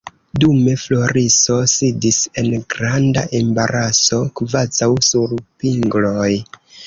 Dume Floriso sidis en granda embaraso, kvazaŭ sur pingloj.